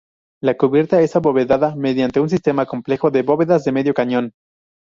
La cubierta es abovedada, mediante un sistema complejo de bóvedas de medio cañón.